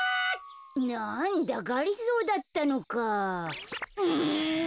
なんだがりぞーだったのか。